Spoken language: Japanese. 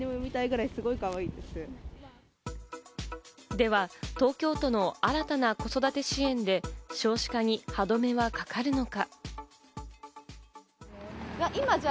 では、東京都の新たな子育て支援で少子化に歯止めはかかるのか。